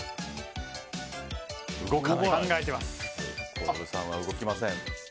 小籔さんは動きません。